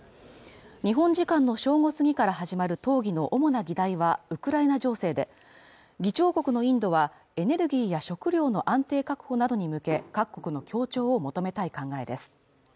日本時間の正午過ぎから始まる討議の主な議題は、ウクライナ情勢で議長国のインドは、エネルギーや食糧の安定確保などに向け、各国の協調を求めたい考えです。